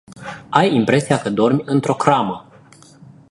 Ai impresia că dormi într-o cramă.